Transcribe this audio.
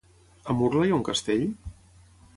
A Murla hi ha un castell?